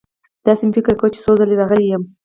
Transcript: داسې مې فکر کاوه چې څو ځله راغلی یم.